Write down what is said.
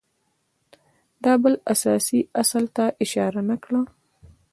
ده بل اساسي اصل ته اشاره نه کړه